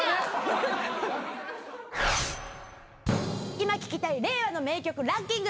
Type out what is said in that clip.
今聴きたい令和の名曲ランキング